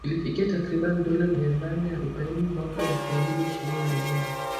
Ilifikia takriban dola mia nane arobaini mwaka wa elfu mbili ishirini na moja.